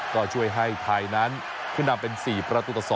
ก็ช่วยให้ไทยนั้นขึ้นนำเป็น๔ประตูต่อ๒